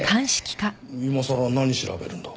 今さら何調べるんだ？